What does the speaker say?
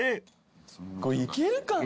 いけるかな？